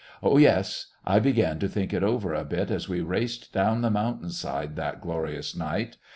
Oh, yes, I began to think it over a bit as we raced down the mountain side that glorious night.